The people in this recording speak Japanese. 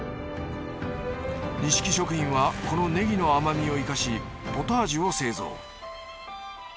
にしき食品はこのねぎの甘みを生かしポタージュを製造。